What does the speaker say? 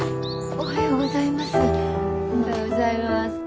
おはようございます。